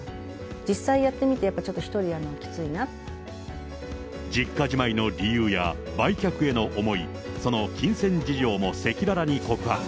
実際やってみて、やっぱちょっと、実家じまいの理由や、売却への思い、その金銭事情も赤裸々に告白。